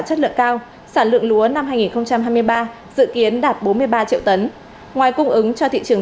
chất lượng cao sản lượng lúa năm hai nghìn hai mươi ba dự kiến đạt bốn mươi ba triệu tấn ngoài cung ứng cho thị trường